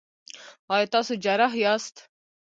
ایا تاسو جراح یاست؟